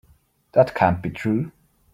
That can't be true.